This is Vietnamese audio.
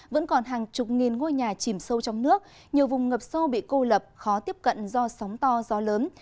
vẫn còn hàng chục nghìn ngôi nhà chìm sâu trong nước nhiều vùng ngập sâu bị cô lập khó tiếp cận do sóng to gió lớn